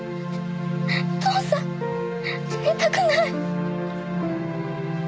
お父さん死にたくない。